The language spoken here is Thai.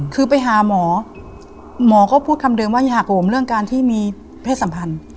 คือไปหาหมอหมอก็พูดคำเดิมว่าอย่าโหมเรื่องการที่มีเพศสัมพันธ์